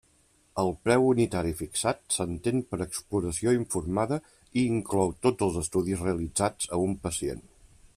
El preu unitari fixat s'entén per exploració informada i inclou tots els estudis realitzats a un pacient.